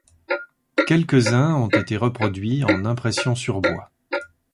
Quelques-uns ont été reproduits en impressions sur bois.